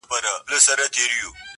چی د ژوند مو هر گړی راته ناورین سی!.